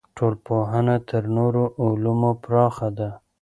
ټولنپوهنه تر نورو علومو پراخه ده.